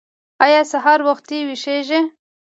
ایا سهار وختي ویښیږئ؟